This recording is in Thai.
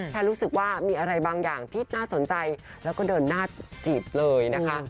แค่รู้สึกว่ามีอะไรบางอย่างที่น่าสนใจแล้วก็เดินหน้าจีบเลยนะคะ